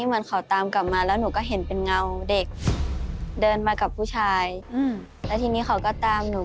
เอาลูกมาด้วยไหม